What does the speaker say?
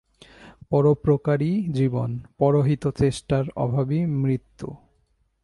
পরোপকারই জীবন, পরহিতচেষ্টার অভাবই মৃত্যু।